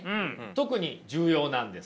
特に重要なんです。